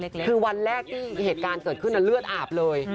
คือวันแรกที่เหตุการณ์เกิดขึ้นเลือดอาบเลย